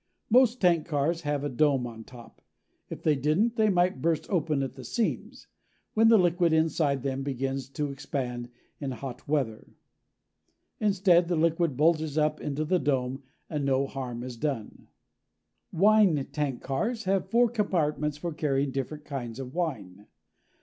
Most tank cars have a dome on top. If they didn't, they might burst open at the seams when the liquid inside them begins to expand in hot weather. Instead, the liquid bulges up into the dome, and no harm is done. Wine tank cars have four compartments for carrying different kinds of wine.